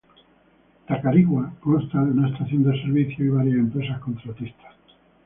Tacarigua, consta de una estación de servicio y varias empresas contratistas.